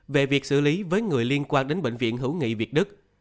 về việc xử lý với người liên quan đến bệnh viện hữu nghị việt đức